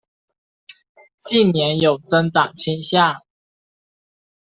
近年有增长倾向。